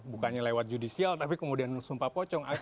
bukannya lewat judicial tapi kemudian sumpah pocong